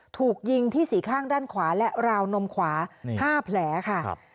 ถูกยิงที่สี่ข้างด้านขวาและราวนมขวา๕แผลค่ะ